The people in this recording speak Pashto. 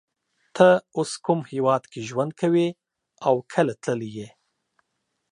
ته اوس کوم هیواد کی ژوند کوی او کله تللی یی